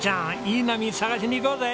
いい波探しに行こうぜ。